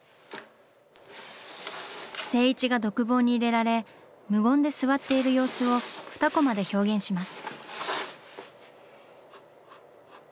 静一が独房に入れられ無言で座っている様子を２コマで表現します。